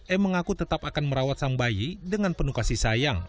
e mengaku tetap akan merawat sang bayi dengan penuh kasih sayang